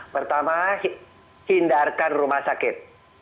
pertama hindarkan rumah sakit